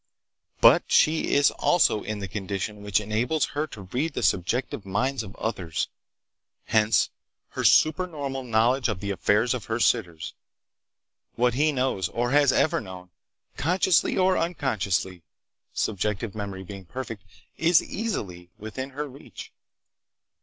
But she is also in the condition which enables her to read the subjective minds of others. Hence her supernormal knowledge of the affairs of her sitters. What he knows, or has ever known, consciously or unconsciously (subjective memory being perfect), is easily within her reach.